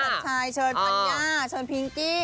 คุณเป๊กสัญชัยเชิญทัญญาเชิญพีงกี้